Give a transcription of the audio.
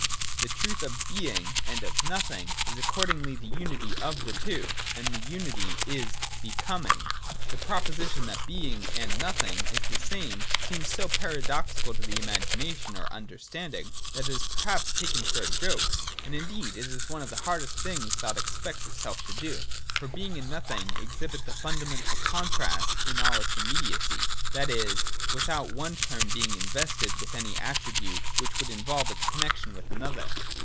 The truth of Being and of Nothing is accordingly the unity of the two : and this unity is Becoming. (i) The proposition that Being and Nothing is^ the same seems so paradoxical to the imagination or under standing, that it is perhaps taken for a joke. And in deed it is one of the hardest things thought expects itself to do : for Being and Nothing exhibit the funda mental contrast in all its immediacy, — that is, without the one term being invested with any attribute which would involve its connexion with the other.